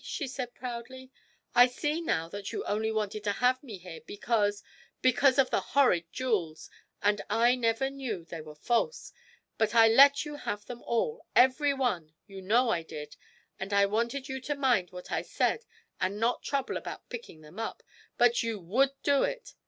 she said proudly; 'I see now that you only wanted to have me here because because of the horrid jewels, and I never knew they were false, and I let you have them all, every one, you know I did; and I wanted you to mind what I said and not trouble about picking them up, but you would do it!